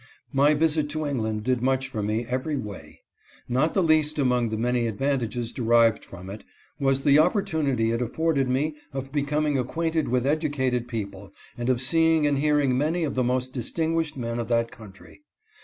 My visit to England did much for me every way. Not the least among the many advantages derived from it was the opportunity it afforded me of becoming acquainted with educated people and of seeing and hearing many of the most distinguished men of that country.